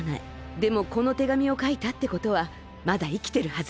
でもこのてがみをかいたってことはまだいきてるはず。